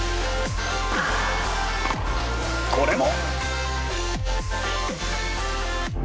これも！